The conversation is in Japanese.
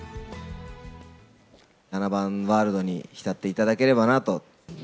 あな番ワールドに浸っていただければなと。